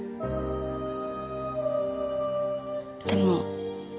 でも。